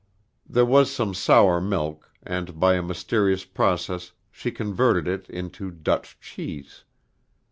There was some sour milk, and by a mysterious process she converted it into Dutch cheese.